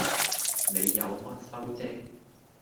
你有乜收啫